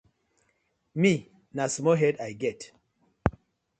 Mi na small head I get.